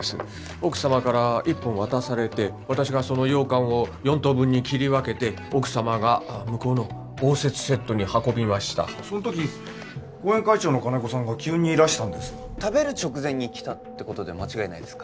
奥様から１本渡されて私がその羊羹を４等分に切り分けて奥様が向こうの応接セットに運びましたそのとき後援会長の金子さんが急にいらしたんです食べる直前に来たってことで間違いないですか？